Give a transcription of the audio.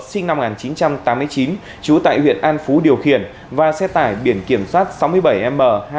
sinh năm một nghìn chín trăm tám mươi chín chú tại huyện an phú điều khiển và xe tải biển kiểm soát sáu mươi bảy m hai nghìn sáu trăm sáu mươi bảy